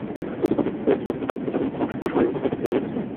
অভিভাবকদের সঙ্গে কাকভেজা হয়ে তারাও অসহায়ের মতো অপেক্ষায় ছিল বৃষ্টি থামার।